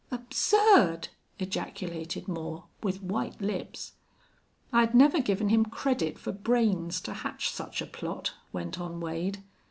"Absurd!" ejaculated Moore, with white lips. "I'd never given him credit for brains to hatch such a plot," went on Wade.